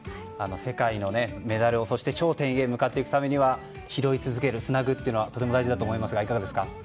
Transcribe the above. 世界のメダルをそして頂点へ向かっていくためには拾い続ける、つなぐというのはとても大事だと思いますがいかがですか。